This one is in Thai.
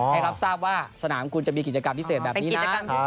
ให้ครับทราบว่าสนามกุลจะมีกิจกรรมพิเศษแบบนี้นะ